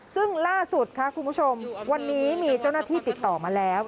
ซึ่งล่าสุดค่ะคุณผู้ชมวันนี้มีเจ้าหน้าที่ติดต่อมาแล้ว